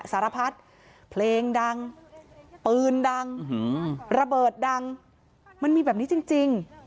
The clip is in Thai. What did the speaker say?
สารพัดเพลงดังปืนดังระเบิดดังมันมีแบบนี้จริง